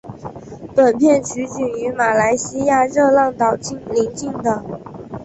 本片取景于马来西亚热浪岛邻近的。